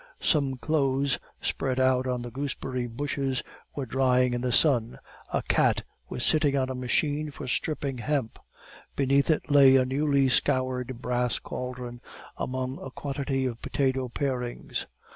Some clothes spread out on the gooseberry bushes were drying in the sun. A cat was sitting on a machine for stripping hemp; beneath it lay a newly scoured brass caldron, among a quantity of potato parings.